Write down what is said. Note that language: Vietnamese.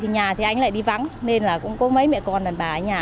nhà thì anh lại đi vắng nên là cũng có mấy mẹ con đàn bà ở nhà